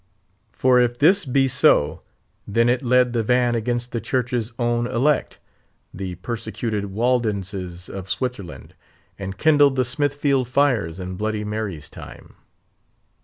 For if this be so, then it led the van against the Church's own elect—the persecuted Waldenses in Switzerland—and kindled the Smithfield fires in bloody Mary's time.